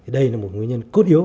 đây là một nguyên nhân cốt yếu